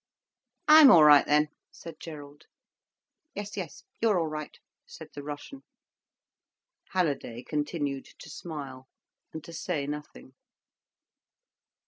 "I'm all right then," said Gerald. "Yes! Yes! You're all right," said the Russian. Halliday continued to smile, and to say nothing.